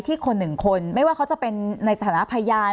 คนหนึ่งคนไม่ว่าเขาจะเป็นในสถานะพยาน